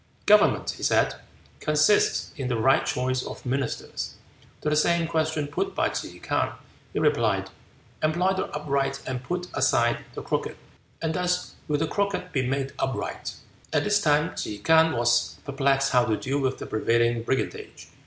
"Government," he said, "consists in the right choice of ministers." To the same question put by Ke K'ang he replied, "Employ the upright and put aside the crooked, and thus will the crooked be made upright." At this time Ke K'ang was perplexed how to deal with the prevailing brigandage.